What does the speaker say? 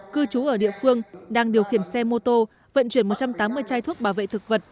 cư trú ở địa phương đang điều khiển xe mô tô vận chuyển một trăm tám mươi chai thuốc bảo vệ thực vật